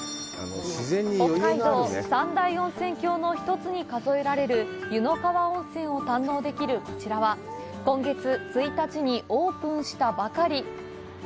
北海道三大温泉郷の一つに数えられる湯の川温泉を堪能できるこちらは今月１日にオープンしたばかり。